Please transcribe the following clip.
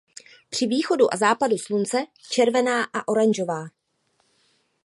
Při východu a západu Slunce červená a oranžová.